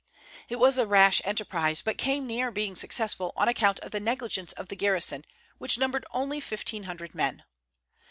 It was a rash enterprise, but came near being successful on account of the negligence of the garrison, which numbered only fifteen hundred men.